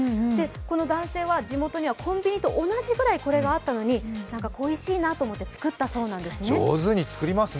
この男性は地元にはコンビニと同じぐらいこれがあったのに恋しいなと思って作ったんだそうです。